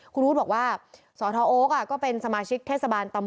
คุณอู๋บอกว่าสอทอโอ๊คยังเป็นสมาชิกเทศบาลตำบัน